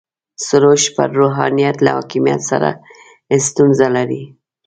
سروش پر روحانیت له حاکمیت سره ستونزه لري.